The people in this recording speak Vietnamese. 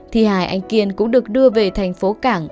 thi hài anh kiên cũng được đưa về thành phố cảng